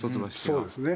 そうですね。